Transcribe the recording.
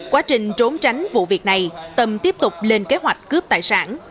quá trình trốn tránh vụ việc này tâm tiếp tục lên kế hoạch cướp tài sản